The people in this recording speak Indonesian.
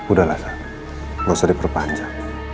udah lah elsa gak usah diperpanjang